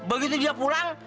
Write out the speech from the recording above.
begitu dia pulang